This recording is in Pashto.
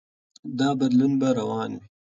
دا بدلون به روان وي.